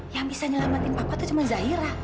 yang bisa nyelamatin papa itu cuma zaira